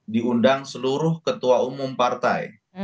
diundang seluruh ketua umum partai